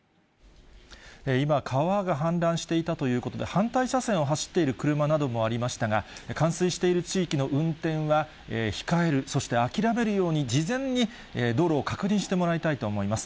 今、川が氾濫していたということで、反対車線を走っている車などもありましたが、冠水している地域の運転は控える、そして諦めるように、事前に道路を確認してもらいたいと思います。